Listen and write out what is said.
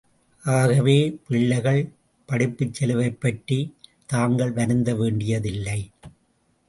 ஆகவே, பிள்ளைகள் படிப்புச் செலவைப் பற்றித் தாங்கள் வருந்த வேண்டியதில்லை.